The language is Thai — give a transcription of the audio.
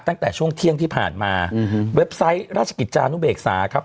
ตั้งแต่ช่วงเที่ยงที่ผ่านมาอืมเว็บไซต์ราชกิจจานุเบกษาครับ